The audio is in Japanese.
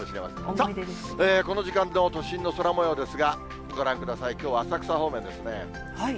さあ、この時間の都心の空もようですが、ご覧ください、きょうは浅草方面ですね。